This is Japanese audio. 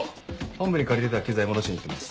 本部に借りてた機材戻しに行ってます。